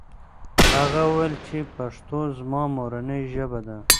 هغه وویل چې پښتو زما مورنۍ ژبه ده.